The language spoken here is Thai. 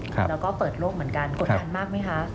แล้วก็เปิดโลกเหมือนกันกดดันมากไหมคะ